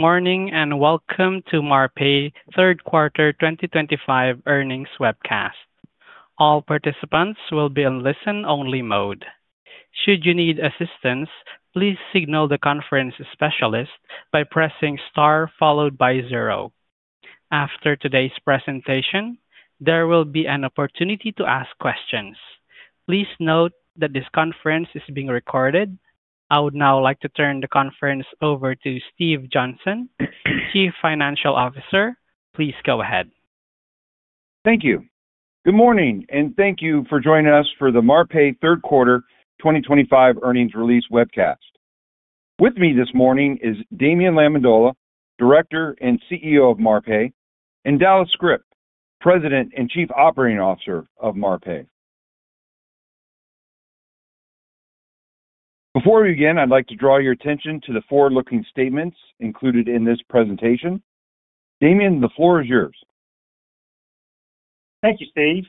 Morning and welcome to Marpai Q3 2025 earnings webcast. All participants will be in listen-only mode. Should you need assistance, please signal the conference specialist by pressing star followed by zero. After today's presentation, there will be an opportunity to ask questions. Please note that this conference is being recorded. I would now like to turn the conference over to Steve Johnson, Chief Financial Officer. Please go ahead. Thank you. Good morning, and thank you for joining us for the Marpai Q3 2025 earnings release webcast. With me this morning is Damien Lamendola, Director and CEO of Marpai, and Dallas Script, President and Chief Operating Officer of Marpai. Before we begin, I'd like to draw your attention to the forward-looking statements included in this presentation. Damien, the floor is yours. Thank you, Steve.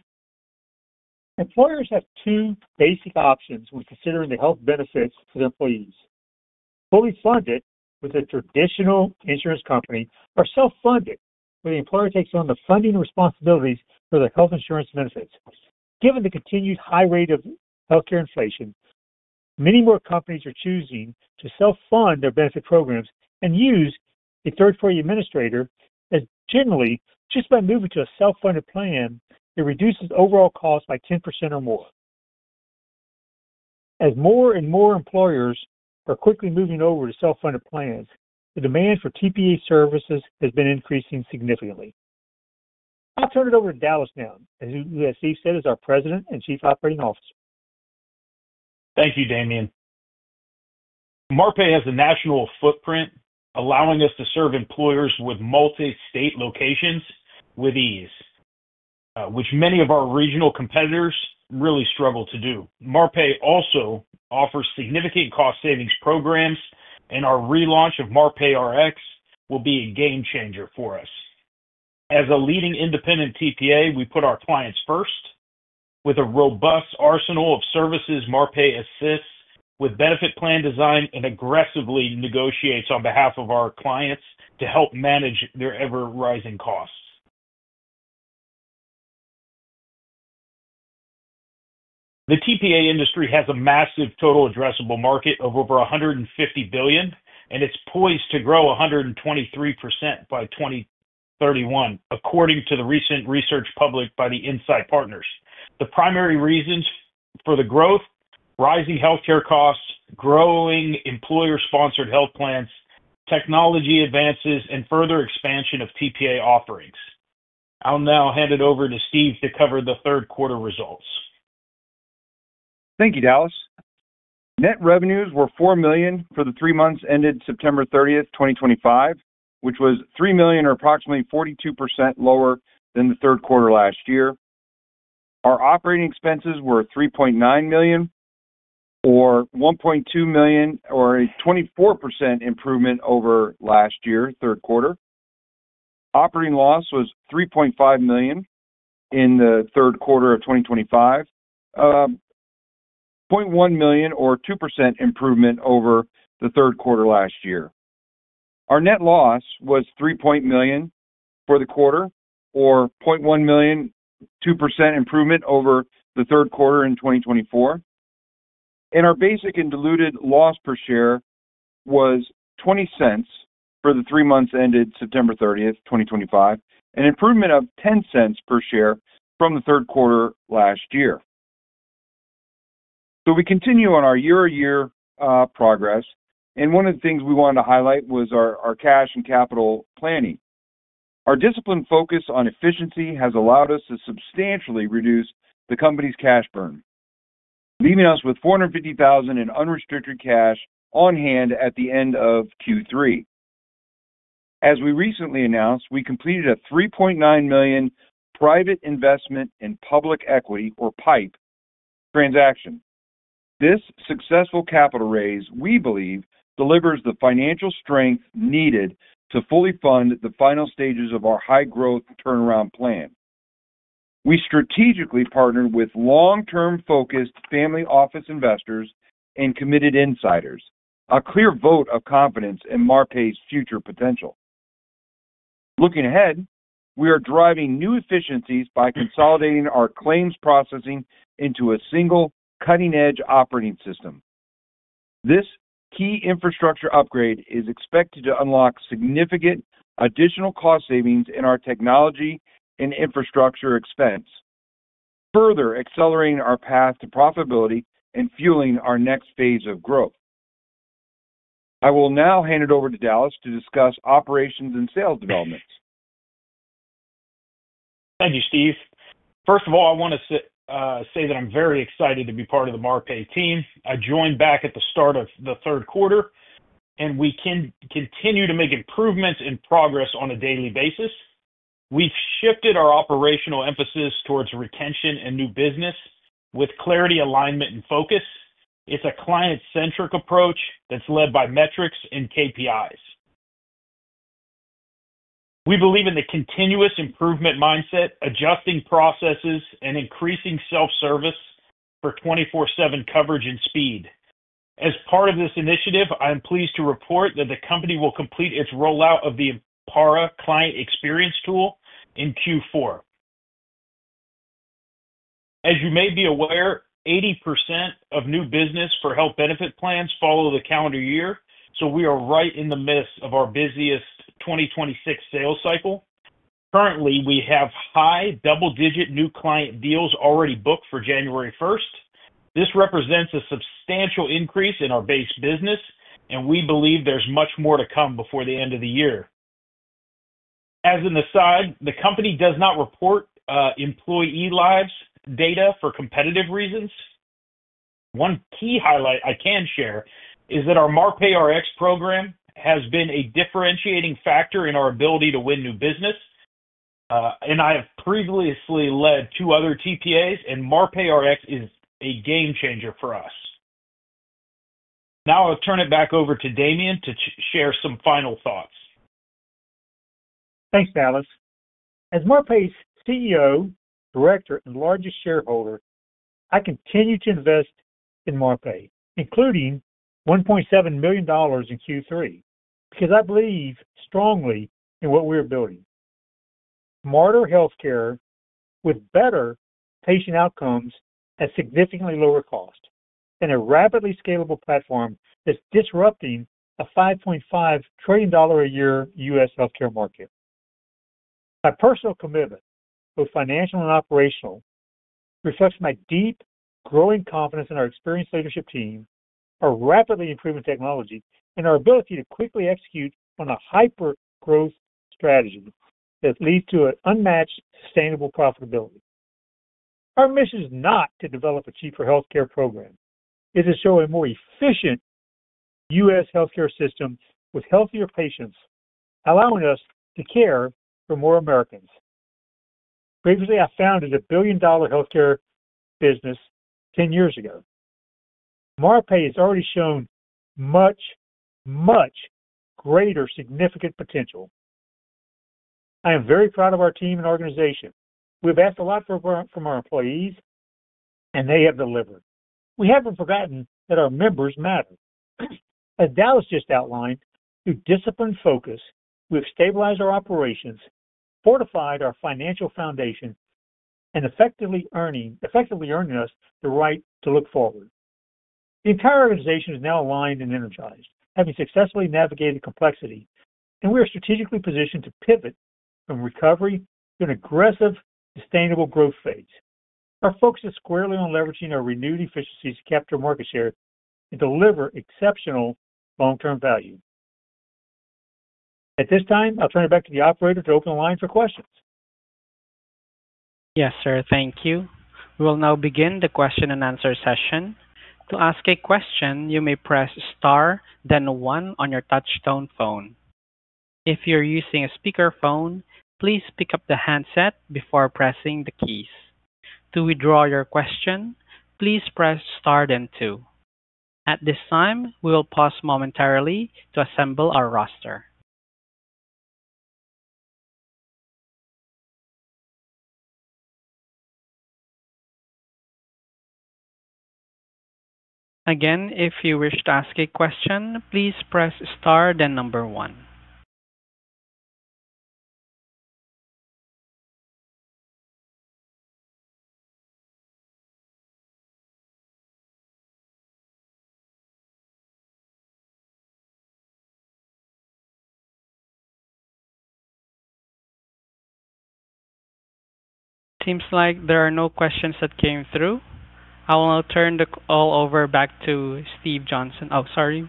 Employers have two basic options when considering the health benefits for their employees. Fully funded with a traditional insurance company or self-funded, where the employer takes on the funding responsibilities for the health insurance benefits. Given the continued high rate of healthcare inflation, many more companies are choosing to self-fund their benefit programs and use a third-party administrator as generally, just by moving to a self-funded plan, it reduces overall costs by 10% or more. As more and more employers are quickly moving over to self-funded plans, the demand for TPA services has been increasing significantly. I'll turn it over to Dallas now, who as Steve said is our President and Chief Operating Officer. Thank you, Damien. Marpai has a national footprint, allowing us to serve employers with multi-state locations with ease, which many of our regional competitors really struggle to do. Marpai also offers significant cost savings programs, and our relaunch of Marpai Rx will be a game changer for us. As a leading independent TPA, we put our clients first. With a robust arsenal of services, Marpai assists with benefit plan design and aggressively negotiates on behalf of our clients to help manage their ever-rising costs. The TPA industry has a massive total addressable market of over $150 billion, and it's poised to grow 123% by 2031, according to the recent research published by the Insight Partners. The primary reasons for the growth are rising healthcare costs, growing employer-sponsored health plans, technology advances, and further expansion of TPA offerings. I'll now hand it over to Steve to cover the Q3 results. Thank you, Dallas. Net revenues were $4 million for the three months ended September 30th, 2025, which was $3 million, or approximately 42% lower than Q3 last year. Our operating expenses were $3.9 million, or $1.2 million, or a 24% improvement over last year, Q3. Operating loss was $3.5 million in Q3 of 2025, $0.1 million, or a 2% improvement over Q3 last year. Our net loss was $3.0 million for the quarter, or $0.1 million, a 2% improvement over Q3 in 2024. Our basic and diluted loss per share was $0.20 for the three months ended September 30th, 2025, an improvement of $0.10 per share from Q3 last year. We continue on our year-to-year progress, and one of the things we wanted to highlight was our cash and capital planning. Our disciplined focus on efficiency has allowed us to substantially reduce the company's cash burn, leaving us with $450,000 in unrestricted cash on hand at the end of Q3. As we recently announced, we completed a $3.9 million private investment in public equity, or PIPE, transaction. This successful capital raise, we believe, delivers the financial strength needed to fully fund the final stages of our high-growth turnaround plan. We strategically partnered with long-term-focused family office investors and committed insiders, a clear vote of confidence in Marpai's future potential. Looking ahead, we are driving new efficiencies by consolidating our claims processing into a single, cutting-edge operating system. This key infrastructure upgrade is expected to unlock significant additional cost savings in our technology and infrastructure expense, further accelerating our path to profitability and fueling our next phase of growth. I will now hand it over to Dallas to discuss operations and sales developments. Thank you, Steve. First of all, I want to say that I'm very excited to be part of the Marpai team. I joined back at the start of Q3, and we can continue to make improvements and progress on a daily basis. We've shifted our operational emphasis towards retention and new business with clarity, alignment, and focus. It's a client-centric approach that's led by metrics and KPIs. We believe in the continuous improvement mindset, adjusting processes, and increasing self-service for 24/7 coverage and speed. As part of this initiative, I am pleased to report that the company will complete its rollout of the Empara Client Experience Tool in Q4. As you may be aware, 80% of new business for health benefit plans follow the calendar year, so we are right in the midst of our busiest 2026 sales cycle. Currently, we have high double-digit new client deals already booked for January 1st. This represents a substantial increase in our base business, and we believe there's much more to come before the end of the year. As an aside, the company does not report employee lives data for competitive reasons. One key highlight I can share is that our Marpai Rx program has been a differentiating factor in our ability to win new business, and I have previously led two other TPAs, and Marpai Rx is a game changer for us. Now I'll turn it back over to Damien to share some final thoughts. Thanks, Dallas. As Marpai's CEO, Director, and largest shareholder, I continue to invest in Marpai, including $1.7 million in Q3, because I believe strongly in what we are building: smarter healthcare with better patient outcomes at significantly lower cost and a rapidly scalable platform that's disrupting a $5.5 trillion a year U.S. healthcare market. My personal commitment, both financial and operational, reflects my deep, growing confidence in our experienced leadership team, our rapidly improving technology, and our ability to quickly execute on a hyper-growth strategy that leads to an unmatched sustainable profitability. Our mission is not to develop a cheaper healthcare program. It is to show a more efficient U.S. healthcare system with healthier patients, allowing us to care for more Americans. Previously, I founded a billion-dollar healthcare business 10 years ago. Marpai has already shown much, much greater significant potential. I am very proud of our team and organization. We've asked a lot from our employees, and they have delivered. We haven't forgotten that our members matter. As Dallas just outlined, through disciplined focus, we have stabilized our operations, fortified our financial foundation, and effectively earned us the right to look forward. The entire organization is now aligned and energized, having successfully navigated complexity, and we are strategically positioned to pivot from recovery to an aggressive, sustainable growth phase. Our focus is squarely on leveraging our renewed efficiencies to capture market share and deliver exceptional long-term value. At this time, I'll turn it back to the operator to open the line for questions. Yes, sir. Thank you. We will now begin the question and answer session. To ask a question, you may press star, then one on your touchstone phone. If you're using a speakerphone, please pick up the handset before pressing the keys. To withdraw your question, please press star, then two. At this time, we will pause momentarily to assemble our roster. Again, if you wish to ask a question, please press star, then number one. Seems like there are no questions that came through. I will now turn the call over back to Steve Johnson. Oh, sorry.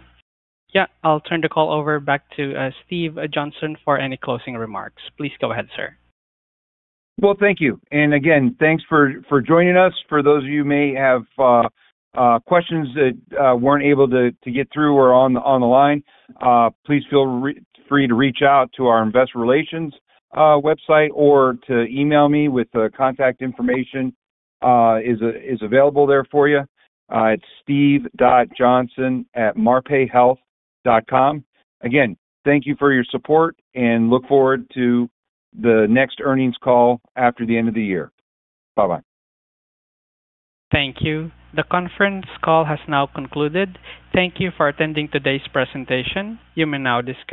Yeah, I'll turn the call over back to Steve Johnson for any closing remarks. Please go ahead, sir. Thank you. Again, thanks for joining us. For those of you who may have questions that were not able to get through or are on the line, please feel free to reach out to our investor relations website or to email me with the contact information available there for you. It is steve.johnson@marpaihealth.com. Again, thank you for your support, and look forward to the next earnings call after the end of the year. Bye-bye. Thank you. The conference call has now concluded. Thank you for attending today's presentation. You may now disconnect.